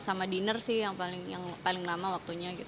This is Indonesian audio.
sama dinner sih yang paling lama waktunya